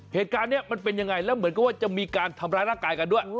เหตุการณ์นี้มันเป็นยังไงแล้วเหมือนกับว่าจะมีการทำร้ายร่างกายกันด้วย